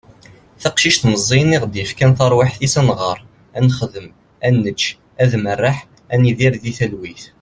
taqcict meẓẓiyen i aɣ-d-yefkan taṛwiḥt-is ad nɣeṛ, ad nexdem, ad nečč, ad merreḥ, ad nidir di talwit